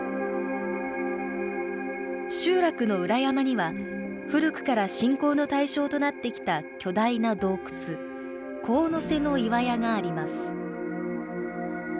集落の裏山には、古くから信仰の対象となってきた巨大な洞窟、神ノ瀬ノ岩屋があります。